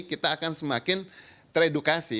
kita akan semakin teredukasi